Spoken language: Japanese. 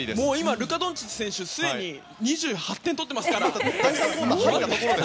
ルカ・ドンチッチ選手すでに２８点取っていますから。